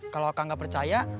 kalau kang gak percaya